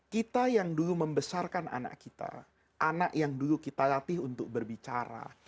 kita yang dulu membesarkan anak kita anak yang dulu kita latih untuk berbicara